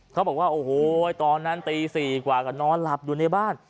เขาบอกว่าโอ้โหตอนนั้นตี๔กว่าก็นอนหลับอยู่ในบ้าน